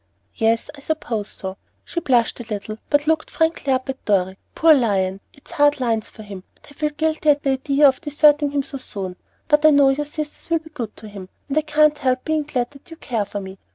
"Yes, I suppose so." She blushed a little, but looked frankly up at Dorry. "Poor Lion! it's hard lines for him, and I feel guilty at the idea of deserting him so soon; but I know your sisters will be good to him, and I can't help being glad that you care for me.